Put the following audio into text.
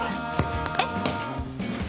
えっ？